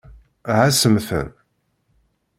Ɛassem-ten.